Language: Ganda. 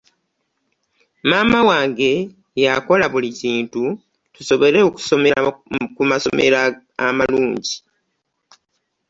Maama wange yakola buli kintu tusobole okusomera ku masomero amalungi.